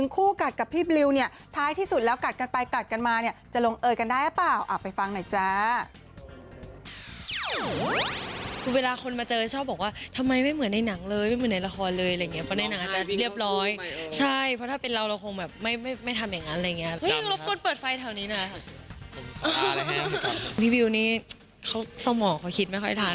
อนาจจะมาเจอได้ชอบแบบว่าทำไมไม่เหมือนในหนังเลยไม่เหมือนในละครเลยอะไรเงี้ยคุณมา